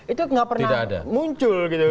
itu nggak pernah muncul gitu